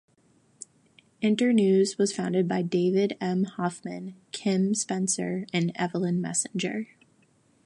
Internews was founded by David M. Hoffman, Kim Spencer, and Evelyn Messinger.